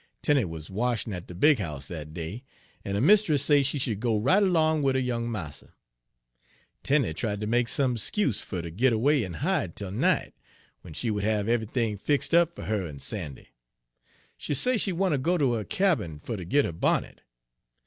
Tenie wuz washin' at de big house dat day, en her mistiss say she should go right 'long wid her young marster. Tenie tried ter make some 'scuse fer ter git away en hide 'tel night, w'en she would have eve'ything fix' up fer her en Sandy; she say she wanter go ter her cabin fer ter git her bonnet.